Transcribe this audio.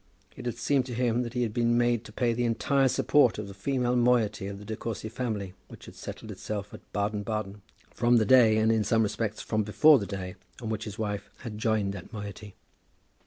It had seemed to him that he had been made to pay for the entire support of the female moiety of the De Courcy family which had settled itself at Baden Baden, from the day, and in some respects from before the day, on which his wife had joined that moiety.